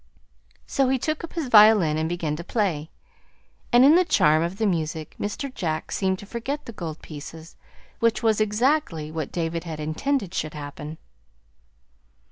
So he took up his violin and began to play; and in the charm of the music Mr. Jack seemed to forget the gold pieces which was exactly what David had intended should happen.